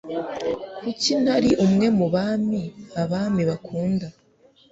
Kuki ntari umwe mubami abami bakunda